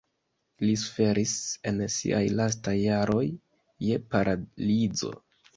Li suferis en siaj lastaj jaroj je paralizo.